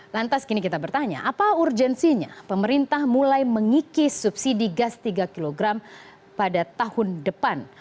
lantas kini kita bertanya apa urgensinya pemerintah mulai mengikis subsidi gas tiga kg pada tahun depan